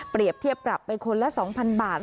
เปรียบเทียบปรับไปคนละ๒๐๐๐บาท